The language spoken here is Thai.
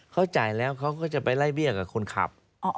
เขาจ่ายแล้วเขาก็จะไปไล่เบี้ยกับคนขับ